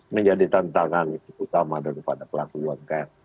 menjadi tantangan utama daripada pelaku umkm